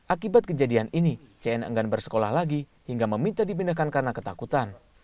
akibat kejadian ini cn enggan bersekolah lagi hingga meminta dipindahkan karena ketakutan